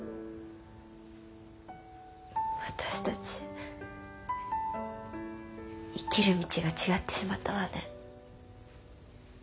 私たち生きる道が違ってしまったわね。